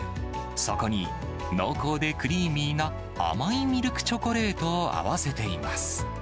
そこに濃厚でクリーミーな甘いミルクチョコレートを合わせています。